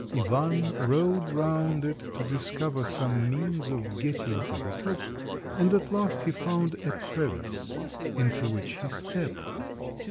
Ivan rode round it to discover some means of getting to the top, and at last he found a crevice into which he stepped.